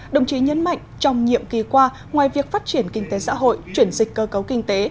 đồng chí nhấn mạnh trong nhiệm kỳ qua ngoài việc phát triển kinh tế xã hội chuyển dịch cơ cấu kinh tế